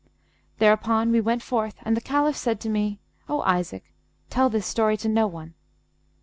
Thereupon we went forth and the Caliph said to me, 'O Isaac, tell this story to no one.'